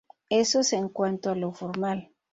Eso en cuanto a lo formal.